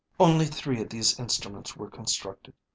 "Only three of these instruments were constructed.